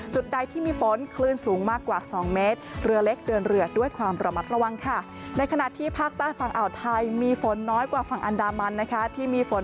จุดใดที่มีฝนคลื่นสูงมากกว่า๒เมตร